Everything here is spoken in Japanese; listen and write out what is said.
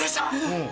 うん。